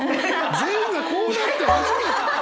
全員がこうなって初めて。